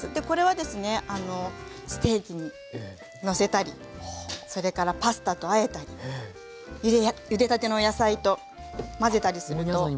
これはですねステーキにのせたりそれからパスタとあえたりゆでたての野菜と混ぜたりすると。